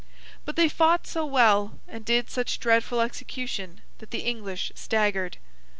But, they fought so well, and did such dreadful execution, that the English staggered.